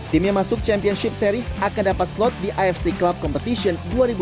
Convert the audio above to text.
tim yang masuk championship series akan dapat slot di afc club competition dua ribu dua puluh empat dua ribu dua puluh lima